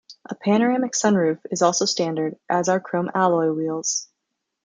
A panoramic sunroof is also standard, as are chrome alloy wheels.